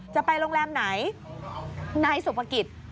จะไปโรงแรมไหนนายสุภกิจ